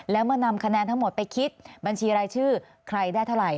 แล้วเมื่อนำคะแนนทั้งหมดไปคิดบัญชีรายชื่อใครได้เท่าไหร